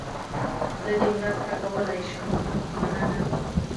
زه دې مرسته کولای شم، مننه.